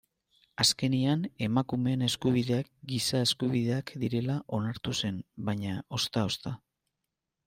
Azkenean emakumeen eskubideak giza eskubideak direla onartu zen, baina ozta-ozta.